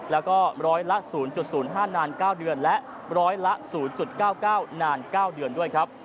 แล้วก็ร้อยละ๐๐๕นาน๙เดือนและร้อยละ๐๙๙นาน๙เดือนด้วยครับ